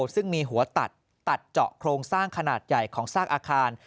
ซึ่งมีหัวตัดตัดเจาะโครงสร้างขนาดใหญ่ของซากอาคาร